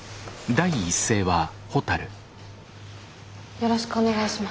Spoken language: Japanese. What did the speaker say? よろしくお願いします。